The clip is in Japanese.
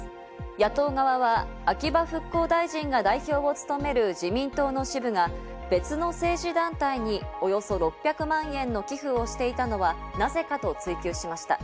野党側は秋葉復興大臣が代表を務める自民党の支部が、別の政治団体におよそ６００万円の寄付をしていたのはなぜかと追及しました。